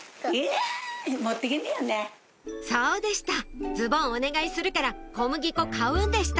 そうでしたズボンお願いするから小麦粉買うんでした